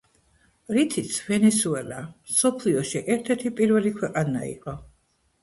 რითიც ვენესუელა მსოფლიოში ერთ-ერთი პირველი ქვეყანა იყო.